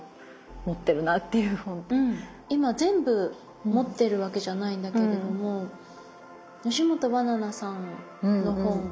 今全部持ってるわけじゃないんだけれども吉本ばななさんの本が。